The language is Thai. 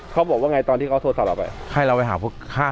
เขาบอกว่าอย่างไรตอนที่เขาเอาโทรศัพท์เราไป